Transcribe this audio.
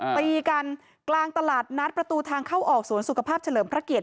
ตีกันกลางตลาดนัดประตูทางเข้าออกสวนสุขภาพเฉลิมพระเกียรติ